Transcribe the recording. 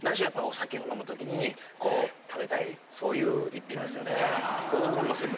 やっぱお酒を飲む時に食べたいそういう一品ですよね。